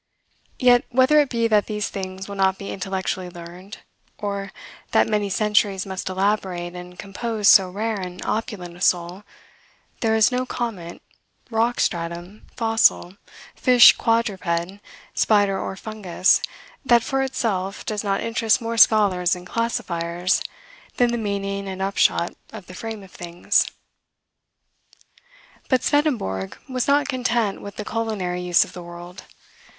Yet, whether it be that these things will not be intellectually learned, or, that many centuries must elaborate and compose so rare and opulent a soul, there is no comet, rock stratum, fossil, fish, quadruped, spider, or fungus, that, for itself, does not interest more scholars and classifiers than the meaning and upshot of the frame of things. But Swedenborg was not content with the culinary use of the world.